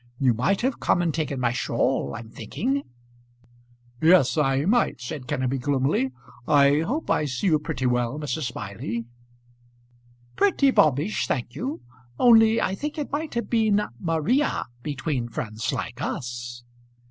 You might have come and taken my shawl, I'm thinking." "Yes, I might," said Kenneby gloomily. "I hope I see you pretty well, Mrs. Smiley." "Pretty bobbish, thank you. Only I think it might have been Maria between friends like us."